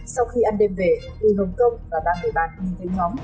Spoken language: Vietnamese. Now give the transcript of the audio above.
sau khi ăn đêm về đưa hồng kông và ba mươi bàn hình thức nhóm